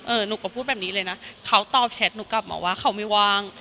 หนูก็พูดแบบนี้เลยนะเขาตอบแชทหนูกลับมาว่าเขาไม่ว่าง